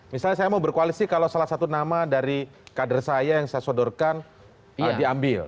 misalnya saya mau berkoalisi kalau salah satu nama dari kader saya yang saya sodorkan ya diambil